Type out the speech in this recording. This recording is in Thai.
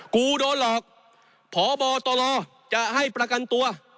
กูโดนหลอกพบตรจะให้ประกันตัว